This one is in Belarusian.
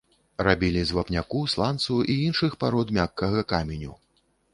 Рабілі з вапняку, сланцу і іншых парод мяккага каменю.